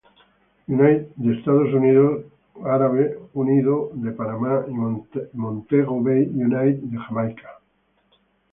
United de Estados Unidos, Árabe Unido de Panamá y Montego Bay United de Jamaica.